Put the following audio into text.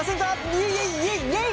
イエイイエイイエイイエイ！